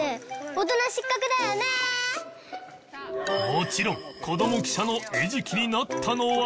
もちろんこども記者の餌食になったのは